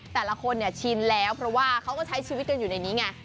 แต่ละคนเนี่ยชินแล้วเพราะว่าเขาก็ใช้ชีวิตกันอยู่ในนี้ไง